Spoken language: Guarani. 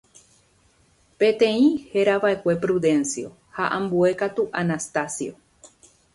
Peteĩ herava'ekue Prudencio ha ambue katu Anastacio